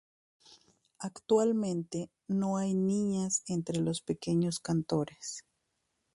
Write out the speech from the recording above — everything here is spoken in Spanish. Actualmente no hay niñas entre los pequeños cantores.